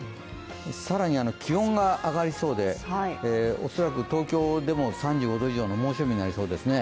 更に気温が上がりそうで、恐らく東京でも３５度以上の猛暑日になりそうですね。